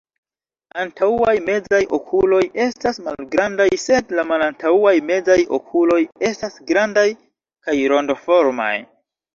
Antaŭaj mezaj okuloj estas malgrandaj, sed la malantaŭaj mezaj okuloj estas grandaj kaj rondoformaj.